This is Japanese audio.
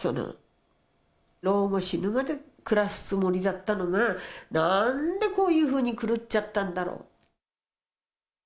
老後、死ぬまで暮らすつもりだったのが、なんでこういうふうに狂っちゃったんだろう。